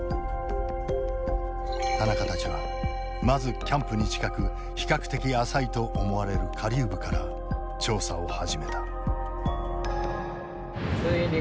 田中たちはまずキャンプに近く比較的浅いと思われる下流部から調査を始めた。